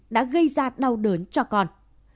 đã gây ra đau đớn cho con